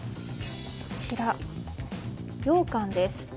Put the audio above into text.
こちら、ようかんです。